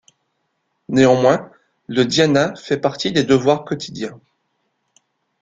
Néanmoins, le dhyana fait partie des devoirs quotidiens.